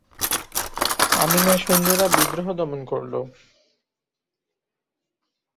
আমিনের সৈন্যরা বিদ্রোহ দমন করল।